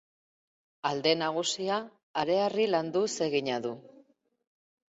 Alde nagusia hareharri landuz egina du.